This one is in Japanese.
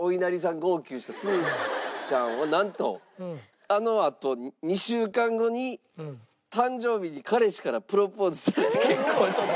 号泣したすうちゃんはなんとあのあと２週間後に誕生日に彼氏からプロポーズされて結婚した。